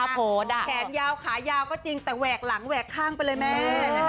แขนยาวขายาวก็จริงแต่แหวกหลังแหวกข้างไปเลยแม่